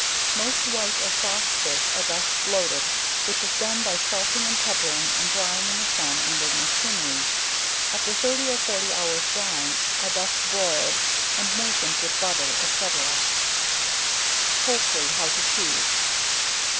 Most white or soft fish are best bloated, which is done by salting, peppering, and drying in the sun, and in a chimney; after 30 or 40 hours drying, are best broiled, and moistened with butter, &c. Poultry how to choose.